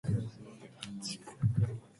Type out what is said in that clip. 你係處男嚟㗎？